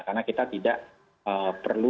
karena kita tidak perlu berada di negara lain